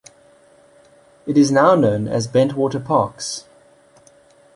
It is now known as "Bentwaters Parks".